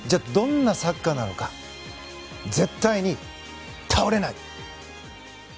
どんなサッカーなのか絶対に倒れない！